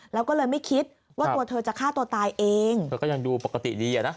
แล้วก็เลยไม่คิดว่าตัวเธอจะฆ่าตัวตายเองเธอก็ยังดูปกติดีอ่ะนะ